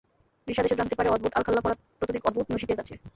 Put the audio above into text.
রিশাদ এসব জানতে পারে অদ্ভুত আলখাল্লা পরা ততোধিক অদ্ভুত নুষিতের কাছে।